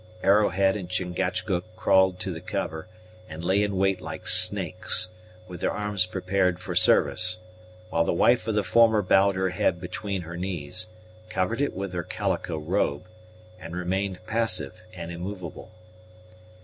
Arrowhead and Chingachgook crawled to the cover, and lay in wait like snakes, with their arms prepared for service, while the wife of the former bowed her head between her knees, covered it with her calico robe, and remained passive and immovable.